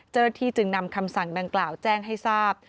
เจ้าหน้าที่จึงนำคำสั่งดังกล่าวแจ้งให้ทราบ